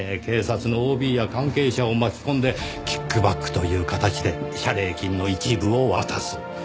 警察のＯＢや関係者を巻き込んでキックバックという形で謝礼金の一部を渡す。